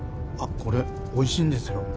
あっこれおいしいんですよ。